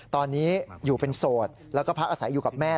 ตอนนี้อยู่เป็นโสดแล้วก็พักอาศัยอยู่กับแม่